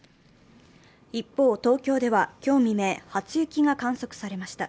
一方、東京では今日未明、初雪が観測されました。